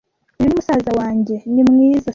Uyu ni musaza wanjye. Ni mwiza, si byo?